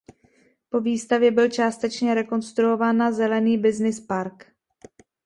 Po výstavě byl částečně rekonstruován na zelený business park.